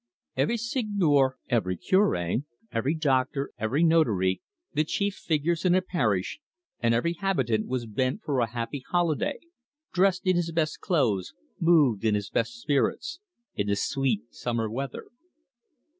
Every seigneur, every cure, every doctor, every notary the chief figures in a parish and every habitant was bent for a happy holiday, dressed in his best clothes, moved in his best spirits, in the sweet summer weather.